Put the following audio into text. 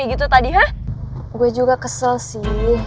pakar tadi kalau nggak ada pengalam ruth